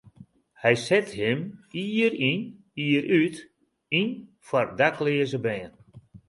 Hy set him jier yn jier út yn foar dakleaze bern.